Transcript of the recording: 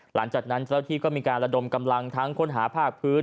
หลังจากนั้นเจ้าที่ก็มีการระดมกำลังทั้งค้นหาภาคพื้น